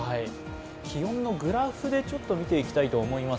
気温のグラフで見ていきたいと思います。